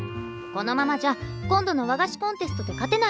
このままじゃ今度の和菓子コンテストで勝てないよ。